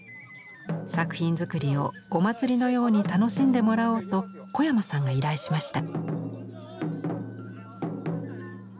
作品作りをお祭りのように楽しんでもらおうと小山さんが依頼しました。